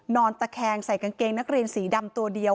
นอนตะแคงใส่กางเกงนักเรียนสีดำตัวเดียว